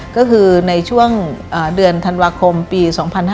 ก็คือในช่วงเดือนธันวาคมปี๒๕๕๙